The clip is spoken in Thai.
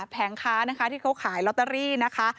แผงค้านะคะที่เขาขายลอตเตอรี่นะคะ